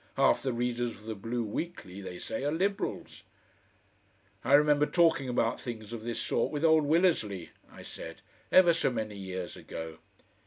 Half the readers of the BLUE WEEKLY, they say, are Liberals.... "I remember talking about things of this sort with old Willersley," I said, "ever so many years ago.